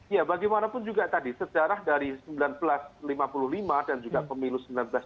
ya bagaimanapun juga tadi sejarah dari seribu sembilan ratus lima puluh lima dan juga pemilu seribu sembilan ratus sembilan puluh